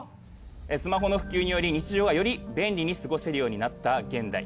スマホの普及により日常はより便利に過ごせるようになった現代。